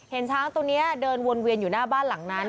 เห็นช้างตัวนี้เดินวนเวียนอยู่หน้าบ้านหลังนั้น